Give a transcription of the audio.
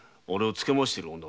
つけまわしている女？